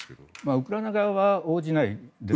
ウクライナ側は応じないでしょうね。